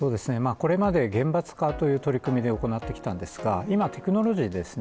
これまで厳罰化という取り組みで行ってきたんですが、今テクノロジーですね